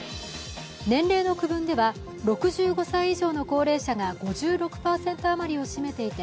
年齢の区分では、６５歳以上の高齢者が５６％余りを占めていて、